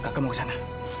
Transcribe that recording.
kakak mau kesana